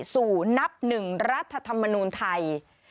สู่นับหนึ่งรัฐธรรมนูลไทย